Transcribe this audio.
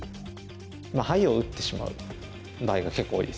ハイを打ってしまう場合が結構多いですね。